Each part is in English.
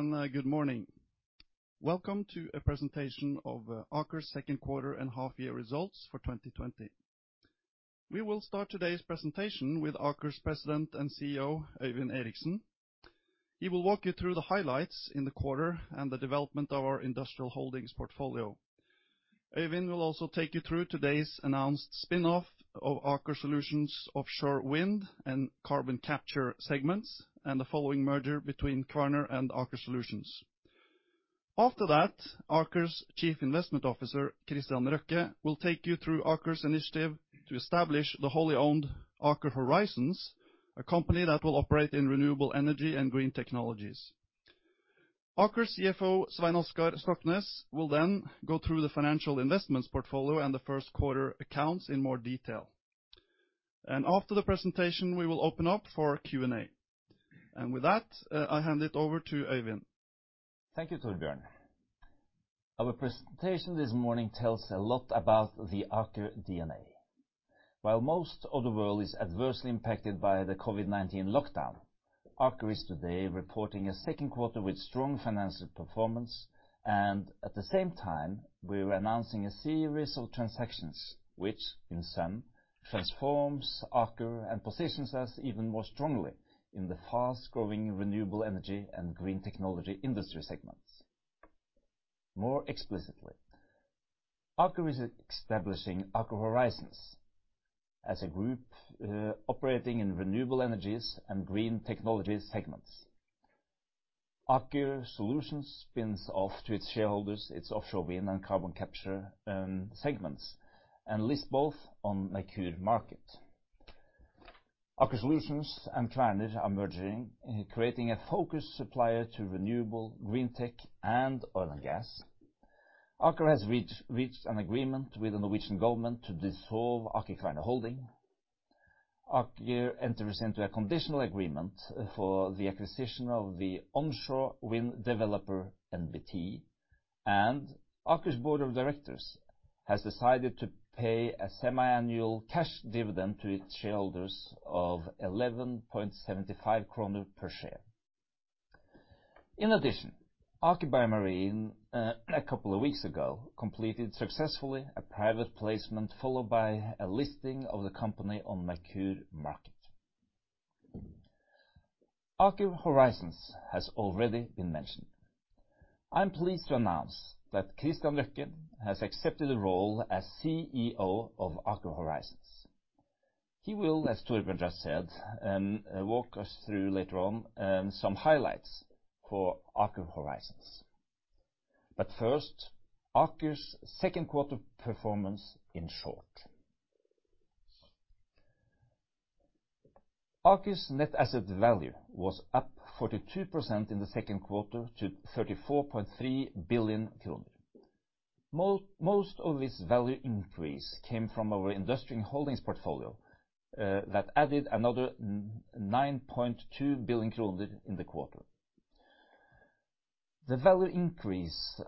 Hello everyone and good morning. Welcome to a presentation of Aker's second quarter and half-year results for 2020. We will start today's presentation with Aker's President and CEO, Øyvind Eriksen. He will walk you through the highlights in the quarter and the development of our industrial holdings portfolio. Øyvind will also take you through today's announced spin-off of Aker Solutions' offshore wind and carbon capture segments, and the following merger between Kværner and Aker Solutions. After that, Aker's Chief Investment Officer, Kristian Røkke, will take you through Aker's initiative to establish the wholly owned Aker Horizons, a company that will operate in renewable energy and green technologies. Aker's CFO, Svein Oskar Stoknes, will then go through the financial investments portfolio and the first quarter accounts in more detail. And after the presentation, we will open up for Q&A. And with that, I hand it over to Øyvind. Thank you, Torbjørn. Our presentation this morning tells a lot about the Aker DNA. While most of the world is adversely impacted by the COVID-19 lockdown, Aker is today reporting a second quarter with strong financial performance, and at the same time, we are announcing a series of transactions which, in sum, transforms Aker and positions us even more strongly in the fast-growing renewable energy and green technology industry segments. More explicitly, Aker is establishing Aker Horizons as a group operating in renewable energies and green technology segments. Aker Solutions spins off to its shareholders its offshore wind and carbon capture segments and lists both on the Merkur Market. Aker Solutions and Kværner are merging, creating a focused supplier to renewable, green tech, and oil and gas. Aker has reached an agreement with the Norwegian government to dissolve Aker Kværner Holding. Aker enters into a conditional agreement for the acquisition of the onshore wind developer, NBT, and Aker's board of directors has decided to pay a semi-annual cash dividend to its shareholders of 11.75 kroner per share. In addition, Aker BioMarine, a couple of weeks ago, completed successfully a private placement followed by a listing of the company on the Merkur Market. Aker Horizons has already been mentioned. I'm pleased to announce that Kristian Røkke has accepted the role as CEO of Aker Horizons. He will, as Torbjørn just said, walk us through later on some highlights for Aker Horizons. But first, Aker's second quarter performance in short. Aker's net asset value was up 42% in the second quarter to 34.3 billion kroner. Most of this value increase came from our industry holdings portfolio that added another 9.2 billion kroner in the quarter. The value increases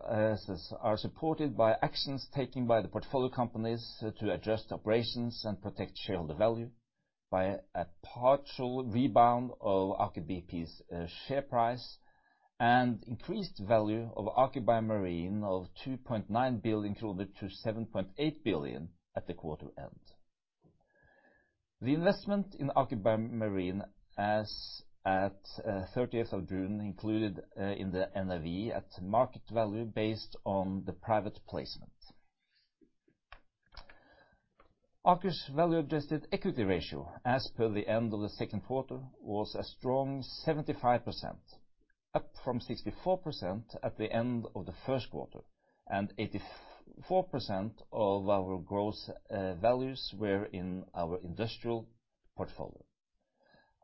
are supported by actions taken by the portfolio companies to adjust operations and protect shareholder value, by a partial rebound of Aker BP's share price, and increased value of Aker BioMarine of 2.9 billion kroner to 7.8 billion at the quarter end. The investment in Aker BioMarine as at 30th of June included in the NAV at market value based on the private placement. Aker's value-adjusted equity ratio, as per the end of the second quarter, was a strong 75%, up from 64% at the end of the first quarter, and 84% of our gross values were in our industrial portfolio.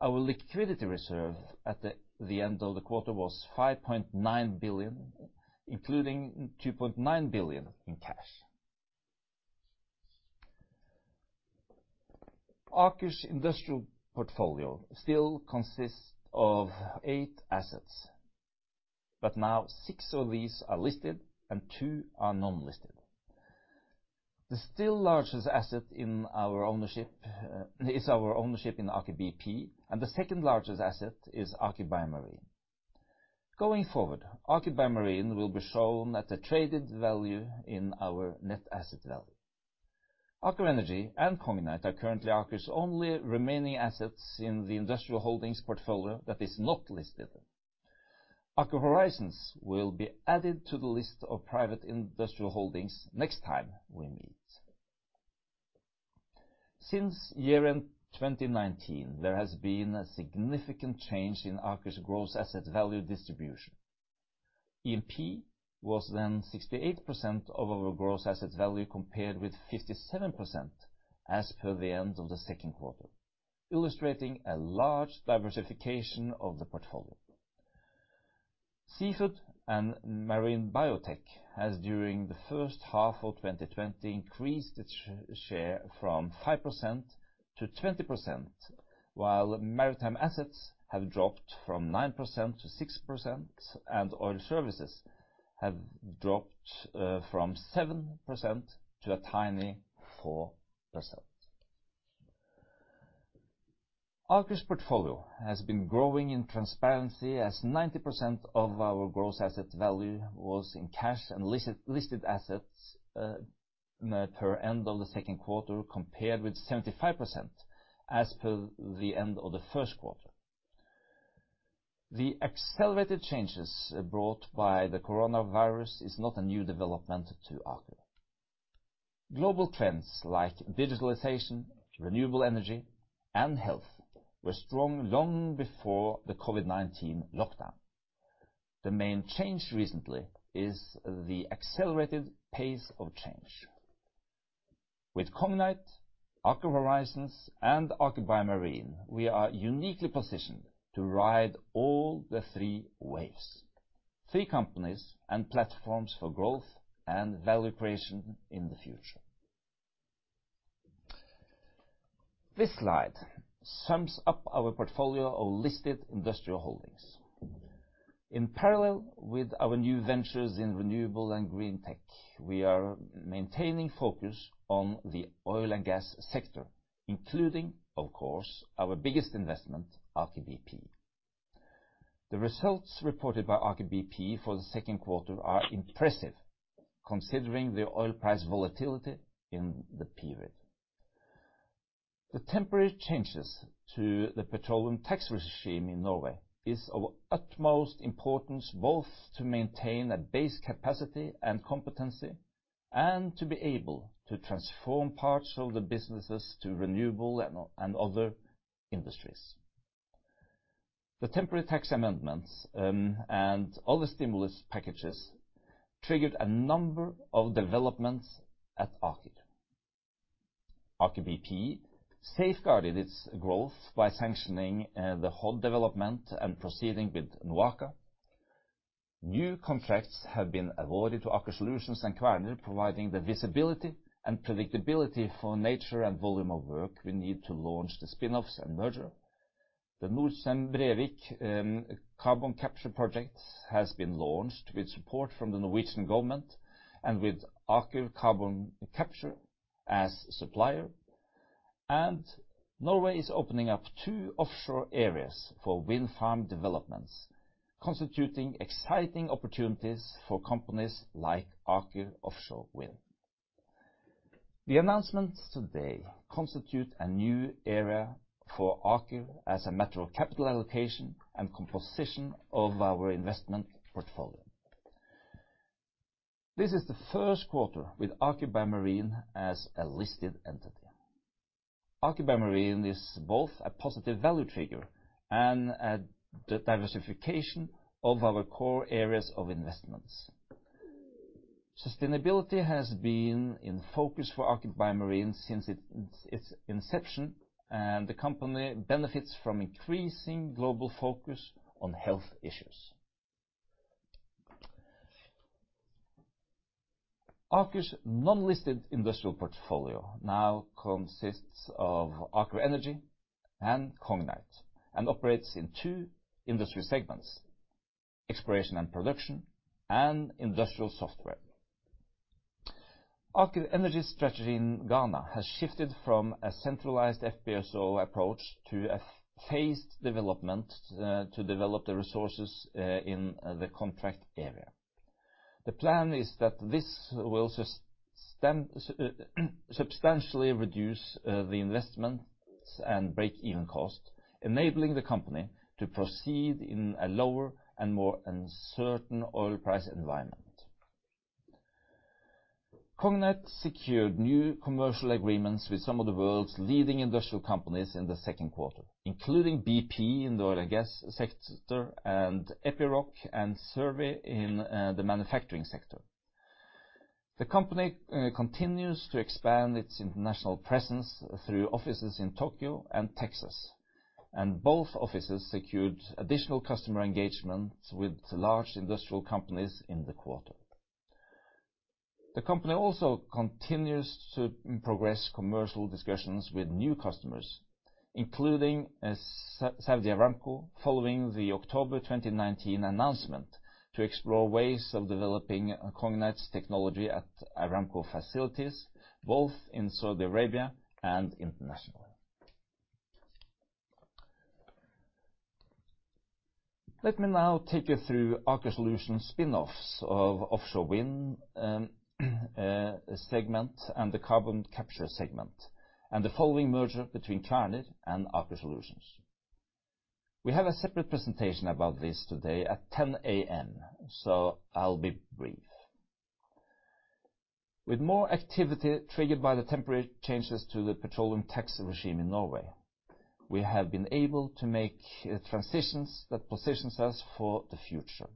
Our liquidity reserve at the end of the quarter was 5.9 billion, including 2.9 billion in cash. Aker's industrial portfolio still consists of eight assets, but now six of these are listed and two are non-listed. The still largest asset in our ownership is our ownership in Aker BP, and the second largest asset is Aker BioMarine. Going forward, Aker BioMarine will be shown at a traded value in our net asset value. Aker Energy and Cognite are currently Aker's only remaining assets in the industrial holdings portfolio that is not listed. Aker Horizons will be added to the list of private industrial holdings next time we meet. Since year-end 2019, there has been a significant change in Aker's gross asset value distribution. E&P was then 68% of our gross asset value compared with 57% as per the end of the second quarter, illustrating a large diversification of the portfolio. Seafood and marine biotech has, during the first half of 2020, increased its share from 5% to 20%, while maritime assets have dropped from 9% to 6%, and oil services have dropped from 7% to a tiny 4%. Aker's portfolio has been growing in transparency as 90% of our gross asset value was in cash and listed assets per end of the second quarter, compared with 75% as per the end of the first quarter. The accelerated changes brought by the coronavirus are not a new development to Aker. Global trends like digitalization, renewable energy, and health were strong long before the COVID-19 lockdown. The main change recently is the accelerated pace of change. With Cognite, Aker Horizons, and Aker BioMarine, we are uniquely positioned to ride all the three waves, three companies and platforms for growth and value creation in the future. This slide sums up our portfolio of listed industrial holdings. In parallel with our new ventures in renewable and green tech, we are maintaining focus on the oil and gas sector, including, of course, our biggest investment, Aker BP. The results reported by Aker BP for the second quarter are impressive, considering the oil price volatility in the period. The temporary changes to the petroleum tax regime in Norway are of utmost importance, both to maintain a base capacity and competency, and to be able to transform parts of the businesses to renewable and other industries. The temporary tax amendments and other stimulus packages triggered a number of developments at Aker. Aker BP safeguarded its growth by sanctioning the Hod development and proceeding with NOAKA. New contracts have been awarded to Aker Solutions and Kværner, providing the visibility and predictability for nature and volume of work we need to launch the spin-offs and merger. The Norcem Brevik carbon capture project has been launched with support from the Norwegian government and with Aker Carbon Capture as supplier. Norway is opening up two offshore areas for wind farm developments, constituting exciting opportunities for companies like Aker Offshore Wind. The announcements today constitute a new area for Aker as a matter of capital allocation and composition of our investment portfolio. This is the first quarter with Aker BioMarine as a listed entity. Aker BioMarine is both a positive value trigger and a diversification of our core areas of investments. Sustainability has been in focus for Aker BioMarine since its inception, and the company benefits from increasing global focus on health issues. Aker's non-listed industrial portfolio now consists of Aker Energy and Cognite and operates in two industry segments: exploration and production, and industrial software. Aker Energy's strategy in Ghana has shifted from a centralized FPSO approach to a phased development to develop the resources in the contract area. The plan is that this will substantially reduce the investments and break-even cost, enabling the company to proceed in a lower and more uncertain oil price environment. Cognite secured new commercial agreements with some of the world's leading industrial companies in the second quarter, including BP in the oil and gas sector, and Epiroc and Solvay in the manufacturing sector. The company continues to expand its international presence through offices in Tokyo and Texas, and both offices secured additional customer engagements with large industrial companies in the quarter. The company also continues to progress commercial discussions with new customers, including Saudi Aramco, following the October 2019 announcement to explore ways of developing Cognite's technology at Aramco facilities, both in Saudi Arabia and internationally. Let me now take you through Aker Solutions' spin-offs of offshore wind segment and the carbon capture segment, and the following merger between Kværner and Aker Solutions. We have a separate presentation about this today at 10:00 A.M., so I'll be brief. With more activity triggered by the temporary changes to the petroleum tax regime in Norway, we have been able to make transitions that position us for the future.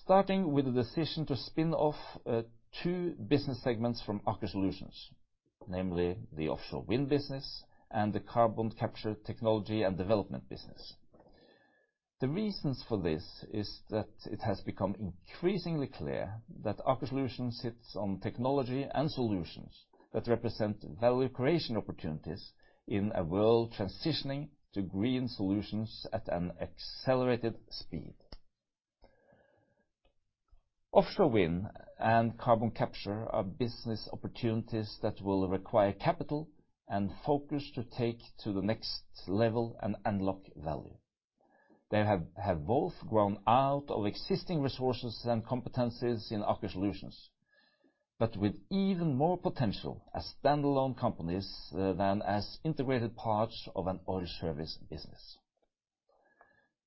Starting with the decision to spin off two business segments from Aker Solutions, namely the offshore wind business and the carbon capture technology and development business. The reasons for this are that it has become increasingly clear that Aker Solutions sits on technology and solutions that represent value creation opportunities in a world transitioning to green solutions at an accelerated speed. Offshore wind and carbon capture are business opportunities that will require capital and focus to take to the next level and unlock value. They have both grown out of existing resources and competencies in Aker Solutions, but with even more potential as standalone companies than as integrated parts of an oil service business.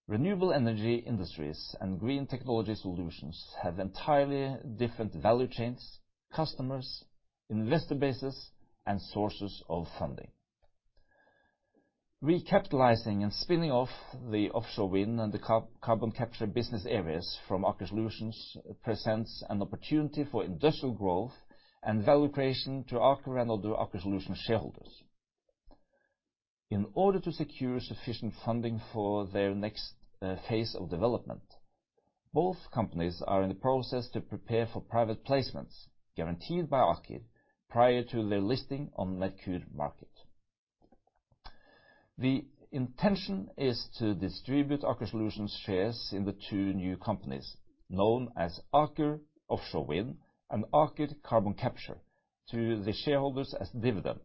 Renewable energy industries and green technology solutions have entirely different value chains, customers, investor bases, and sources of funding. Recapitalizing and spinning off the offshore wind and the carbon capture business areas from Aker Solutions presents an opportunity for industrial growth and value creation to Aker and other Aker Solutions shareholders. In order to secure sufficient funding for their next phase of development, both companies are in the process to prepare for private placements guaranteed by Aker prior to their listing on the Merkur Market. The intention is to distribute Aker Solutions' shares in the two new companies known as Aker Offshore Wind and Aker Carbon Capture to the shareholders as dividend,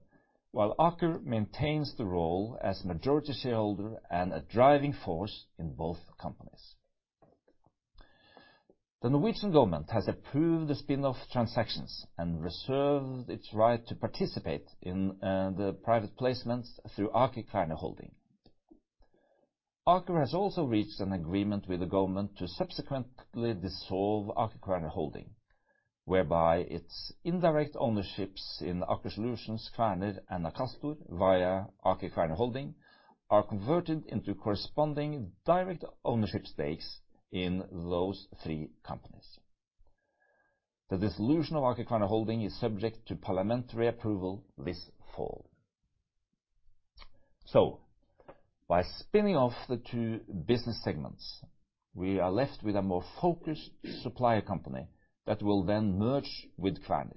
while Aker maintains the role as majority shareholder and a driving force in both companies. The Norwegian government has approved the spin-off transactions and reserved its right to participate in the private placements through Aker Kværner Holding. Aker has also reached an agreement with the government to subsequently dissolve Aker Kværner Holding, whereby its indirect ownerships in Aker Solutions, Kværner, and Akastor via Aker Kværner Holding are converted into corresponding direct ownership stakes in those three companies. The dissolution of Aker Kværner Holding is subject to parliamentary approval this fall. So, by spinning off the two business segments, we are left with a more focused supplier company that will then merge with Kværner.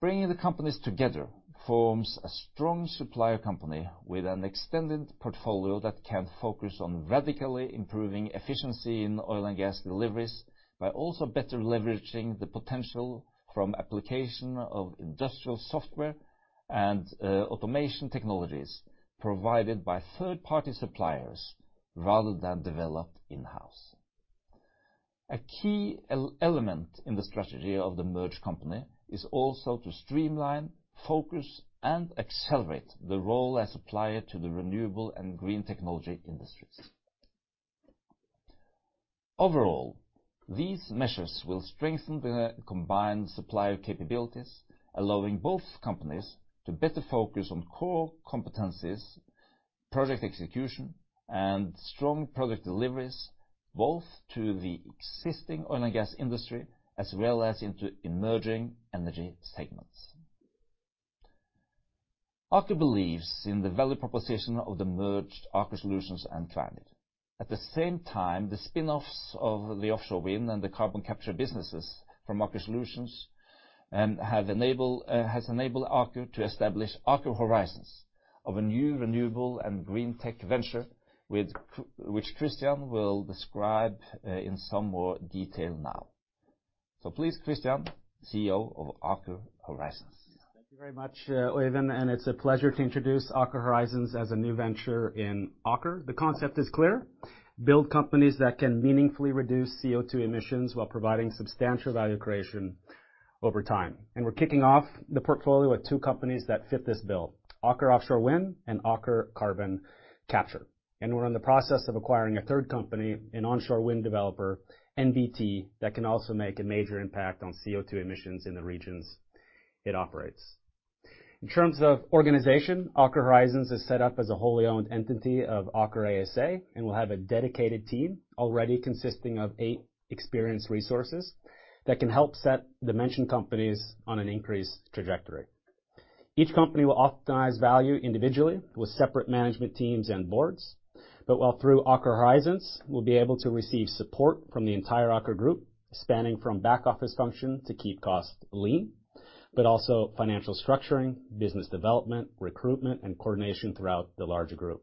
Bringing the companies together forms a strong supplier company with an extended portfolio that can focus on radically improving efficiency in oil and gas deliveries by also better leveraging the potential from application of industrial software and automation technologies provided by third-party suppliers rather than developed in-house. A key element in the strategy of the merged company is also to streamline, focus, and accelerate the role as a supplier to the renewable and green technology industries. Overall, these measures will strengthen the combined supplier capabilities, allowing both companies to better focus on core competencies, project execution, and strong project deliveries both to the existing oil and gas industry as well as into emerging energy segments. Aker believes in the value proposition of the merged Aker Solutions and Kværner. At the same time, the spin-offs of the offshore wind and the carbon capture businesses from Aker Solutions have enabled Aker to establish Aker Horizons as a new renewable and green tech venture, which Kristian will describe in some more detail now. So please, Kristian, CEO of Aker Horizons. Thank you very much, Øyvind, and it's a pleasure to introduce Aker Horizons as a new venture in Aker. The concept is clear: build companies that can meaningfully reduce CO2 emissions while providing substantial value creation over time. And we're kicking off the portfolio with two companies that fit this bill: Aker Offshore Wind and Aker Carbon Capture. And we're in the process of acquiring a third company, an onshore wind developer, NBT, that can also make a major impact on CO2 emissions in the regions it operates. In terms of organization, Aker Horizons is set up as a wholly owned entity of Aker ASA and will have a dedicated team already consisting of eight experienced resources that can help set the mentioned companies on an increased trajectory. Each company will optimize value individually with separate management teams and boards, but while through Aker Horizons, we'll be able to receive support from the entire Aker group, spanning from back-office function to keep costs lean, but also financial structuring, business development, recruitment, and coordination throughout the larger group.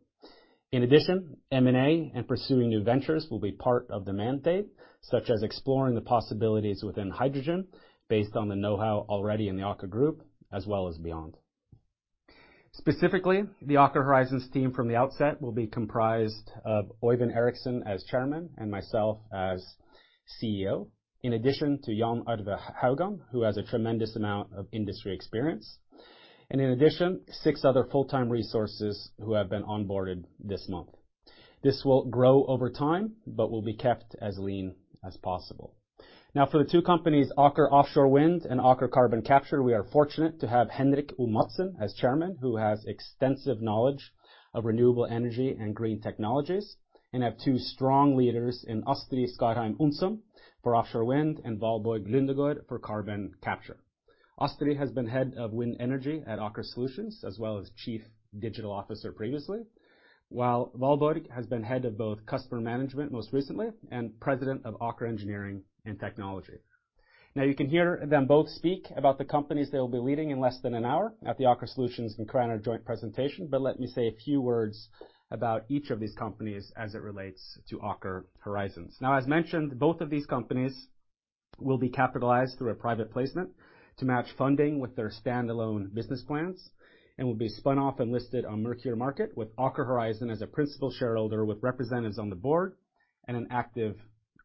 In addition, M&A and pursuing new ventures will be part of the mandate, such as exploring the possibilities within hydrogen based on the know-how already in the Aker group, as well as beyond. Specifically, the Aker Horizons team from the outset will be comprised of Øyvind Eriksen as chairman and myself as CEO, in addition to Jan Arve Haugan, who has a tremendous amount of industry experience, and in addition, six other full-time resources who have been onboarded this month. This will grow over time, but will be kept as lean as possible. Now, for the two companies, Aker Offshore Wind and Aker Carbon Capture, we are fortunate to have Henrik O. Madsen as chairman, who has extensive knowledge of renewable energy and green technologies, and have two strong leaders in Astrid Skarheim Onsum for offshore wind and Valborg Lundegaard for carbon capture. Astrid has been head of wind energy at Aker Solutions, as well as chief digital officer previously, while Valborg has been head of both customer management most recently and president of Aker Engineering and Technology. Now, you can hear them both speak about the companies they will be leading in less than an hour at the Aker Solutions and Kværner joint presentation, but let me say a few words about each of these companies as it relates to Aker Horizons. Now, as mentioned, both of these companies will be capitalized through a private placement to match funding with their standalone business plans and will be spun off and listed on Merkur Market with Aker Horizons as a principal shareholder with representatives on the board and an active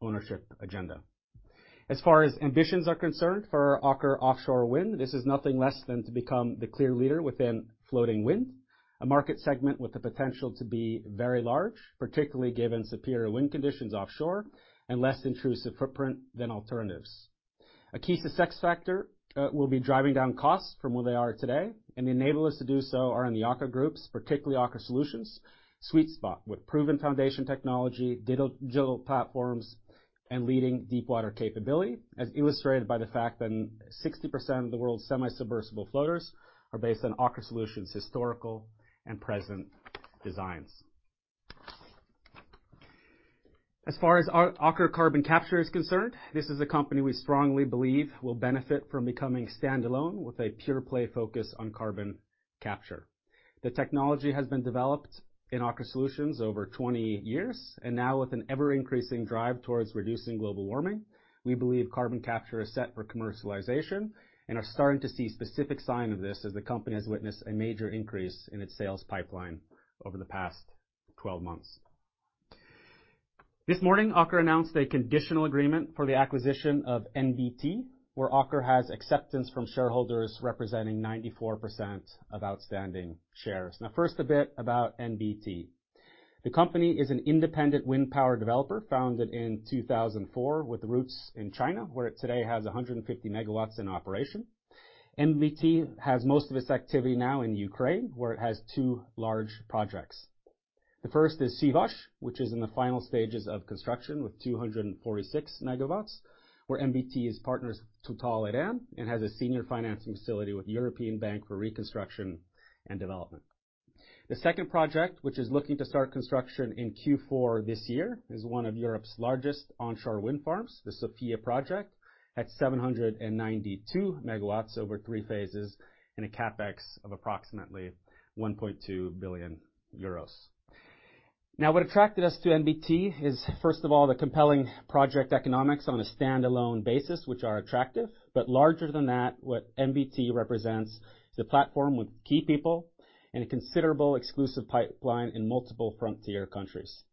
ownership agenda. As far as ambitions are concerned for Aker Offshore Wind, this is nothing less than to become the clear leader within floating wind, a market segment with the potential to be very large, particularly given superior wind conditions offshore and less intrusive footprint than alternatives. A key success factor will be driving down costs from where they are today, and the enablers to do so are in the Aker groups, particularly Aker Solutions' sweet spot with proven foundation technology, digital platforms, and leading deep water capability, as illustrated by the fact that 60% of the world's semi-submersible floaters are based on Aker Solutions' historical and present designs. As far as Aker Carbon Capture is concerned, this is a company we strongly believe will benefit from becoming standalone with a pure-play focus on carbon capture. The technology has been developed in Aker Solutions over 20 years, and now with an ever-increasing drive towards reducing global warming, we believe carbon capture is set for commercialization and are starting to see specific signs of this as the company has witnessed a major increase in its sales pipeline over the past 12 months. This morning, Aker announced a conditional agreement for the acquisition of NBT, where Aker has acceptance from shareholders representing 94% of outstanding shares. Now, first a bit about NBT. The company is an independent wind power developer founded in 2004 with roots in China, where it today has 150 megawatts in operation. NBT has most of its activity now in Ukraine, where it has two large projects. The first is Syvash, which is in the final stages of construction with 246 megawatts, where NBT is partnered with Total Eren and has a senior financing facility with European Bank for Reconstruction and Development. The second project, which is looking to start construction in Q4 this year, is one of Europe's largest onshore wind farms, the Zophia project, at 792 megawatts over three phases and a CapEx of approximately 1.2 billion euros. Now, what attracted us to NBT is, first of all, the compelling project economics on a standalone basis, which are attractive, but larger than that, what NBT represents is a platform with key people and a considerable exclusive pipeline in multiple frontier countries.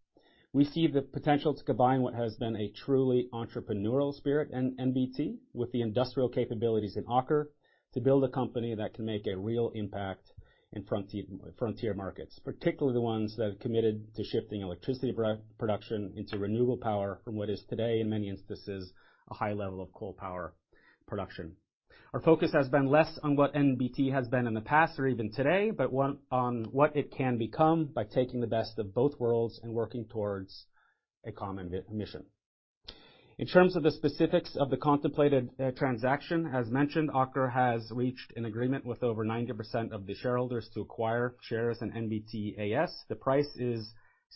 We see the potential to combine what has been a truly entrepreneurial spirit in NBT with the industrial capabilities in Aker to build a company that can make a real impact in frontier markets, particularly the ones that are committed to shifting electricity production into renewable power from what is today, in many instances, a high level of coal power production. Our focus has been less on what NBT has been in the past or even today, but on what it can become by taking the best of both worlds and working towards a common mission. In terms of the specifics of the contemplated transaction, as mentioned, Aker has reached an agreement with over 90% of the shareholders to acquire shares in NBT AS. The price is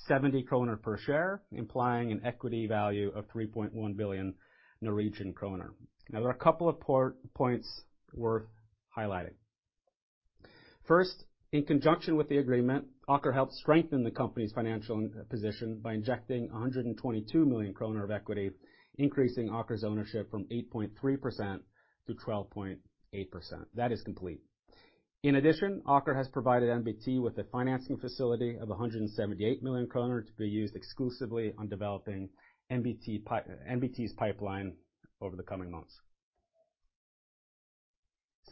70 kroner per share, implying an equity value of 3.1 billion Norwegian kroner. Now, there are a couple of points worth highlighting. First, in conjunction with the agreement, Aker helped strengthen the company's financial position by injecting 122 million kroner of equity, increasing Aker's ownership from 8.3% to 12.8%. That is complete. In addition, Aker has provided NBT with a financing facility of 178 million kroner to be used exclusively on developing NBT's pipeline over the coming months.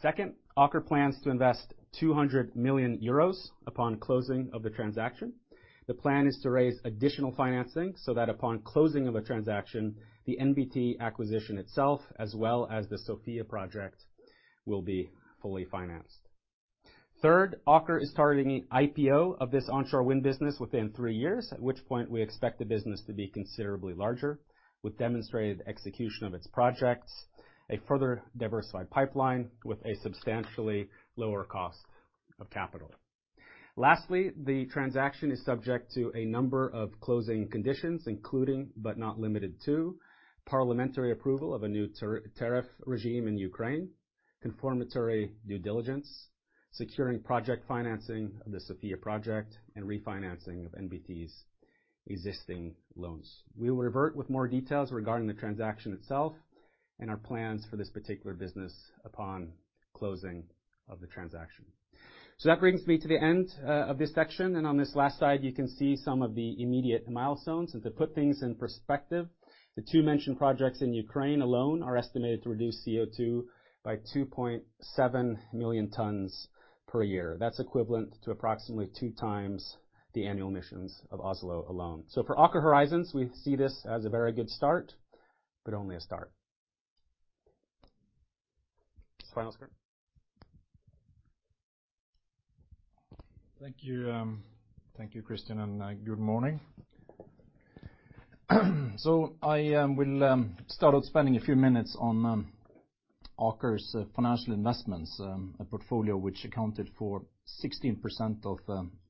Second, Aker plans to invest 200 million euros upon closing of the transaction. The plan is to raise additional financing so that upon closing of the transaction, the NBT acquisition itself, as well as the Zophia project, will be fully financed. Third, Aker is targeting an IPO of this onshore wind business within three years, at which point we expect the business to be considerably larger with demonstrated execution of its projects, a further diversified pipeline with a substantially lower cost of capital. Lastly, the transaction is subject to a number of closing conditions, including but not limited to parliamentary approval of a new tariff regime in Ukraine, confirmatory due diligence, securing project financing of the Zophia project, and refinancing of NBT's existing loans. We will revert with more details regarding the transaction itself and our plans for this particular business upon closing of the transaction. So that brings me to the end of this section. And on this last slide, you can see some of the immediate milestones. And to put things in perspective, the two mentioned projects in Ukraine alone are estimated to reduce CO2 by 2.7 million tons per year. That's equivalent to approximately two times the annual emissions of Oslo alone. So for Aker Horizons, we see this as a very good start, but only a start. Final script. Thank you, Kristian, and good morning. So I will start out spending a few minutes on Aker's financial investments, a portfolio which accounted for 16% of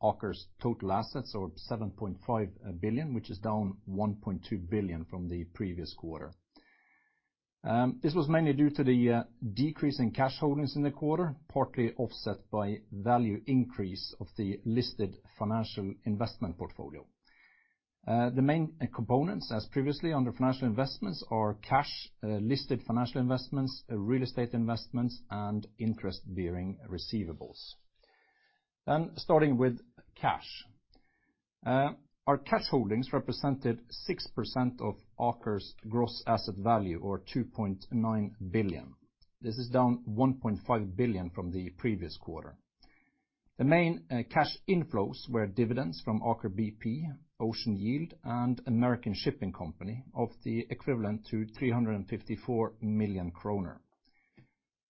Aker's total assets or 7.5 billion, which is down 1.2 billion from the previous quarter. This was mainly due to the decrease in cash holdings in the quarter, partly offset by value increase of the listed financial investment portfolio. The main components, as previously under financial investments, are cash, listed financial investments, real estate investments, and interest-bearing receivables. Then, starting with cash, our cash holdings represented 6% of Aker's gross asset value or 2.9 billion. This is down 1.5 billion from the previous quarter. The main cash inflows were dividends from Aker BP, Ocean Yield, and American Shipping Company of the equivalent to 354 million kroner.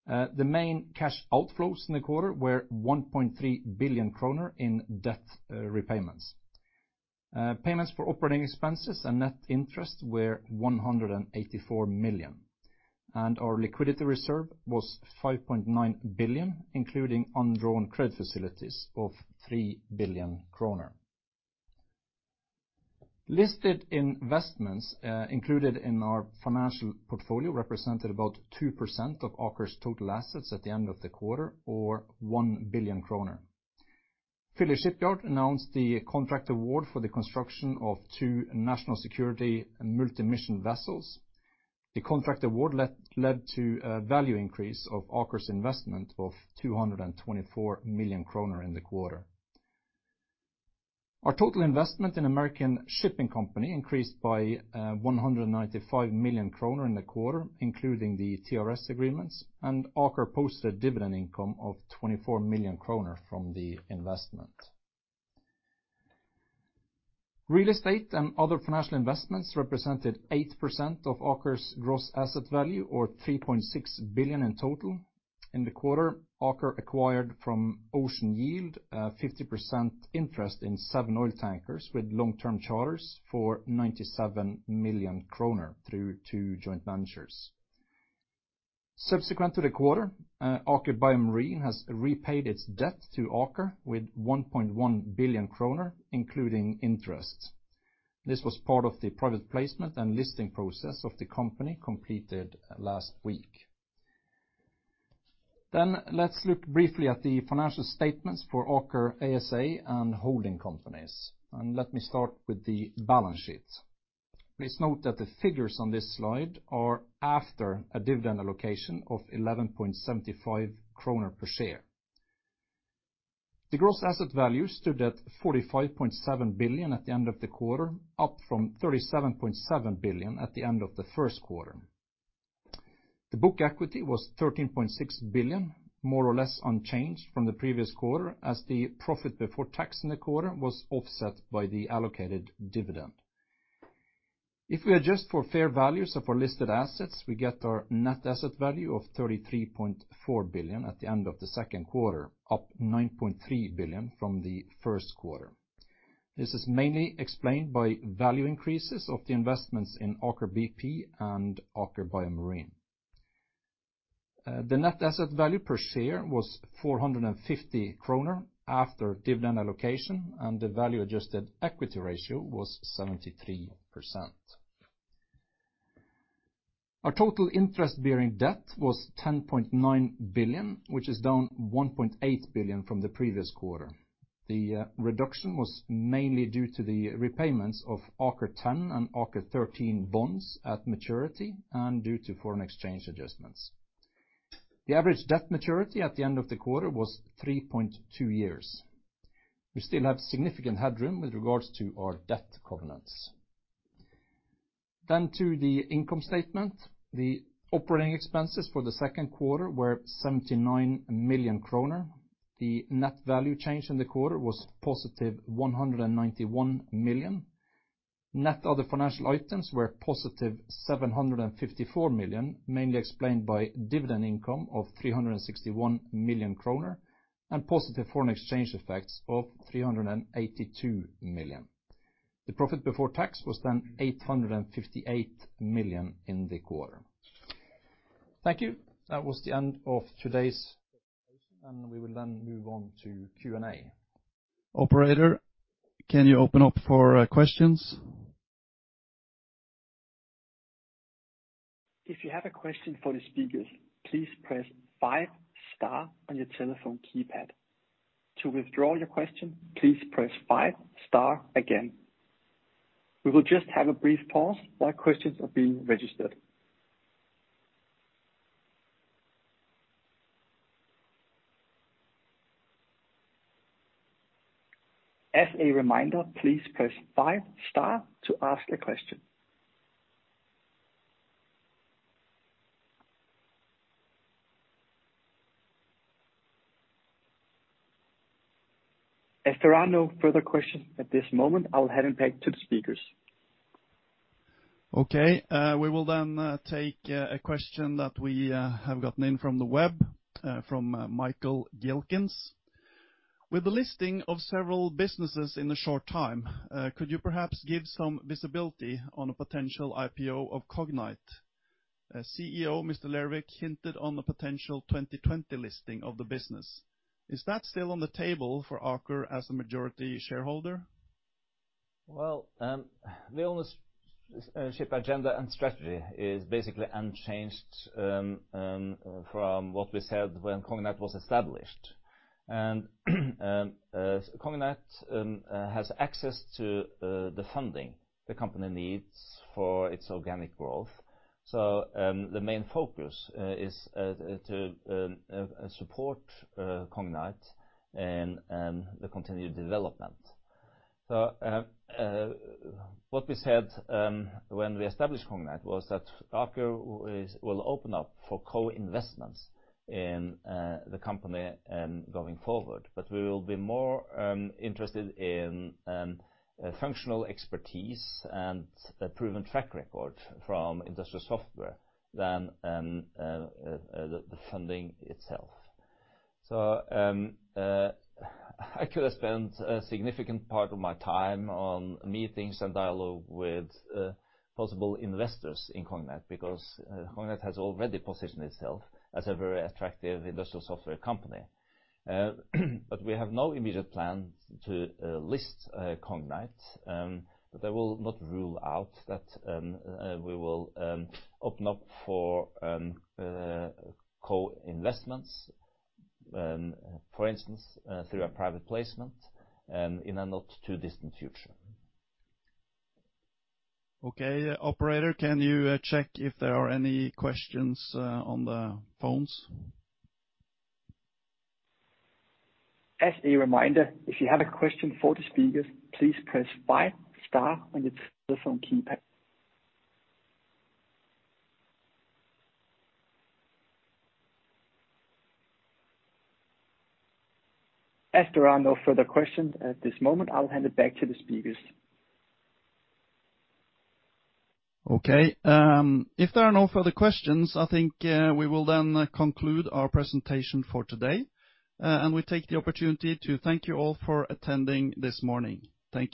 The main cash outflows in the quarter were 1.3 billion kroner in debt repayments. Payments for operating expenses and net interest were 184 million, and our liquidity reserve was 5.9 billion, including undrawn credit facilities of 3 billion kroner. Listed investments included in our financial portfolio represented about 2% of Aker's total assets at the end of the quarter or 1 billion kroner. Philly Shipyard announced the contract award for the construction of two National Security Multi-Mission Vessels. The contract award led to a value increase of Aker's investment of 224 million kroner in the quarter. Our total investment in American Shipping Company increased by 195 million kroner in the quarter, including the TRS agreements, and Aker posted a dividend income of 24 million kroner from the investment. Real estate and other financial investments represented 8% of Aker's gross asset value or 3.6 billion in total. In the quarter, Aker acquired from Ocean Yield 50% interest in seven oil tankers with long-term charters for 97 million kroner through two joint ventures. Subsequent to the quarter, Aker BioMarine has repaid its debt to Aker with 1.1 billion kroner, including interest. This was part of the private placement and listing process of the company completed last week. Let's look briefly at the financial statements for Aker ASA and holding companies. Let me start with the balance sheet. Please note that the figures on this slide are after a dividend allocation of 11.75 kroner per share. The gross asset value stood at 45.7 billion at the end of the quarter, up from 37.7 billion at the end of the first quarter. The book equity was 13.6 billion, more or less unchanged from the previous quarter, as the profit before tax in the quarter was offset by the allocated dividend. If we adjust for fair values of our listed assets, we get our net asset value of 33.4 billion at the end of the second quarter, up 9.3 billion from the first quarter. This is mainly explained by value increases of the investments in Aker BP and Aker BioMarine. The net asset value per share was 450 kroner after dividend allocation, and the value-adjusted equity ratio was 73%. Our total interest-bearing debt was 10.9 billion, which is down 1.8 billion from the previous quarter. The reduction was mainly due to the repayments of Aker 10 and Aker 13 bonds at maturity and due to foreign exchange adjustments. The average debt maturity at the end of the quarter was 3.2 years. We still have significant headroom with regards to our debt covenants. Then, to the income statement, the operating expenses for the second quarter were 79 million kroner. The net value change in the quarter was positive 191 million. Net other financial items were positive 754 million, mainly explained by dividend income of 361 million kroner and positive foreign exchange effects of 382 million. The profit before tax was then 858 million in the quarter. Thank you. That was the end of today's presentation, and we will then move on to Q&A. Operator, can you open up for questions? If you have a question for the speakers, please press 5 star on your telephone keypad. To withdraw your question, please press 5 star again. We will just have a brief pause while questions are being registered. As a reminder, please press 5 star to ask a question. If there are no further questions at this moment, I will hand them back to the speakers. Okay, we will then take a question that we have gotten in from the web from Michael Gilkins. With the listing of several businesses in a short time, could you perhaps give some visibility on a potential IPO of Cognite? CEO Mr. Lervik hinted on the potential 2020 listing of the business. Is that still on the table for Aker as a majority shareholder? Well, the ownership agenda and strategy is basically unchanged from what we said when Cognite was established. And Cognite has access to the funding the company needs for its organic growth. So the main focus is to support Cognite and the continued development. So what we said when we established Cognite was that Aker will open up for co-investments in the company going forward, but we will be more interested in functional expertise and proven track record from industrial software than the funding itself. So I could have spent a significant part of my time on meetings and dialogue with possible investors in Cognite because Cognite has already positioned itself as a very attractive industrial software company. But we have no immediate plan to list Cognite, but I will not rule out that we will open up for co-investments, for instance, through a private placement in a not too distant future. Okay, Operator, can you check if there are any questions on the phones? As a reminder, if you have a question for the speakers, please press 5 star on your telephone keypad. If there are no further questions at this moment, I'll hand it back to the speakers. Okay, if there are no further questions, I think we will then conclude our presentation for today, and we take the opportunity to thank you all for attending this morning. Thank you.